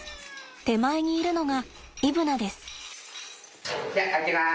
手前にいるのがイブナです。